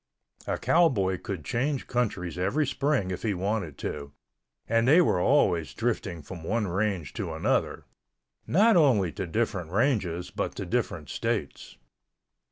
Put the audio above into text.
A cowboy could change countries every spring if he wanted to and they were always drifting from one range to another—not only to different ranges but to different states.